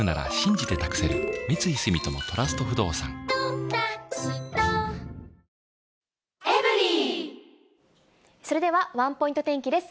わかるぞそれではワンポイント天気です。